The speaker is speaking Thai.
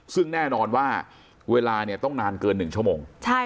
ซึ่งแน่นอนว่าเวลาเนี่ยต้องนานเกิน๑ชั่วโมง